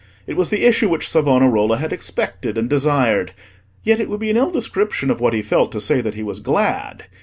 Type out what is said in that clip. It was the issue which Savonarola had expected and desired; yet it would be an ill description of what he felt to say that he was glad.